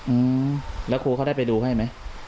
อืมแล้วครูเขาได้ไปดูให้ไหม